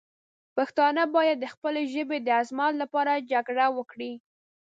پښتانه باید د خپلې ژبې د عظمت لپاره جګړه وکړي.